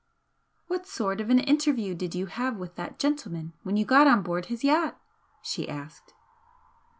"What sort of an interview did you have with that gentleman when you got on board his yacht?" she asked.